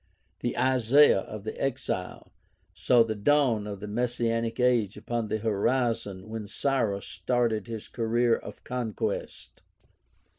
The Isaiah of the Exile saw the dawn of the messianic age upon the horizon when Cyrus started his career of conquest.